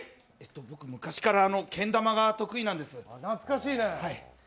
僕、昔からけん玉が得意なんです。